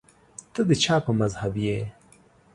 ته د چا په مذهب یې